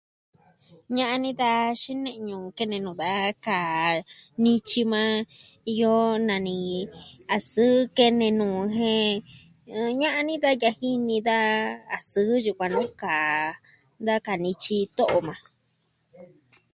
Ña'an ni daa xine'ñu kene nuu da kaa nityi maa iyo nani a sɨɨ kene nuu jen ña'an ni da yajini da a sɨɨ yukuan nuu kaa da kanityi to'o maa.